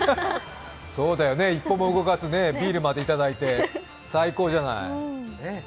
そうだよね、一歩も動かずビールまで頂いて最高じゃない。